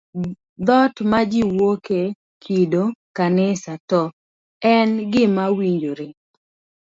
Dhoot ma jiwuoke, kido, kanisa, to be en gima owinjore?